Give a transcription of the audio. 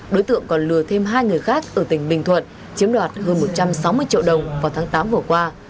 đối tượng còn lừa thêm hai người khác ở tỉnh bình thuận chiếm đoạt hơn một trăm sáu mươi triệu đồng vào tháng tám vừa qua